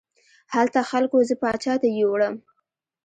هلته خلکو زه پاچا ته یووړم.